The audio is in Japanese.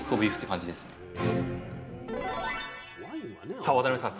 さあ渡邊さん